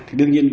thì đương nhiên